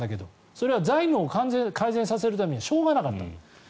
それは財務を改善させるためにしょうがなかった。